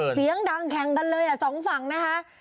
เสียงดังแข่งกันเลยสองฝั่งนะคะ